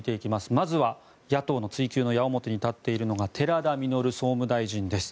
まずは野党の追及の矢面に立っているのが寺田稔総務大臣です。